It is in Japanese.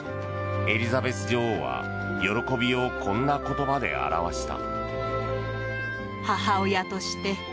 エリザベス女王は喜びをこんな言葉で表した。